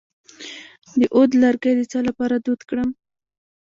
د عود لرګی د څه لپاره دود کړم؟